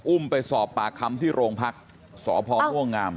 ไปสอบปากคำที่โรงพักษ์สพม่วงงาม